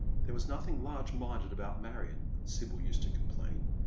There was nothing large minded about Marion, Sibyl used to complain.